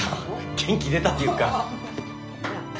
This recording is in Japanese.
元気出たっていうか。